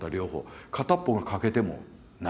片っ方が欠けてもない。